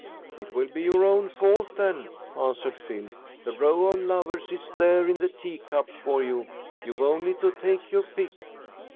'" "It will be your own fault, then," answered Phil. "The row of lovers is there in the teacup for you. You've only to take your pick."